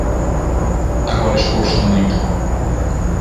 Agora exposto muito